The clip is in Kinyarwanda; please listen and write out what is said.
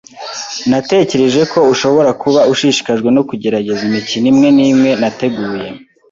Natekereje ko ushobora kuba ushishikajwe no kugerageza imikino imwe nimwe nateguye.